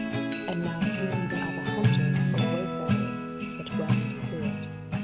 And now few even are the hunters or way farers that wend through it."